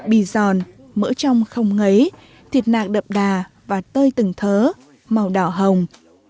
bì giòn mỡ trong không ngấy thịt nặng đậm đà và tơi từng thớ màu đỏ hồng